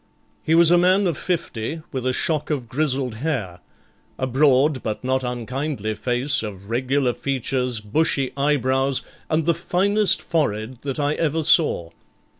He was a man of fifty, with a shock of grizzled hair, a broad but not unkindly face of regular features, bushy eyebrows, and the finest forehead that I ever saw.